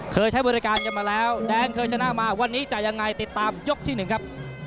ใช้บริการกันมาแล้วแดงเคยชนะมาวันนี้จะยังไงติดตามยกที่๑ครับ